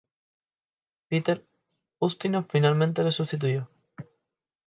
Peter Ustinov finalmente le sustituyó.